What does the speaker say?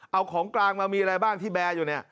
เอาของกลางมามีอะไรบ้างที่แบร์อยู่เนี่ย